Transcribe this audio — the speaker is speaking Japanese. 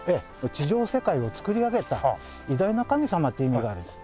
地上世界をつくり上げた偉大な神様という意味があるんです。